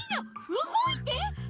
うごいて！